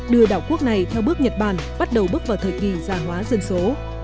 đưa đảo quốc này theo bước nhật bản bắt đầu bước vào thời kỳ già hóa dân số